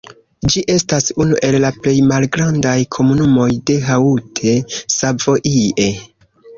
Ĝi estas unu el plej malgrandaj komunumoj de Haute-Savoie.